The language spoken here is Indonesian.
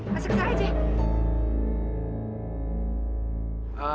masuk ke saya aja